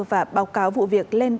và báo cáo vụ việc lên